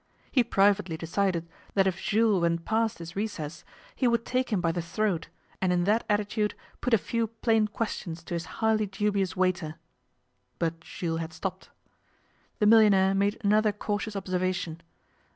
He privately decided that if Jules went past his recess he would take him by the throat and in that attitude put a few plain questions to this highly dubious waiter. But Jules had stopped. The millionaire made another cautious observation.